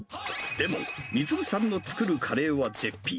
でも、充さんの作るカレーは絶品。